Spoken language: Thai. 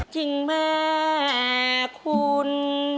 จริงแม่คุณ